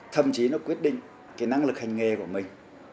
thậm chí nó quyết định cái năng lực hành nghề của mình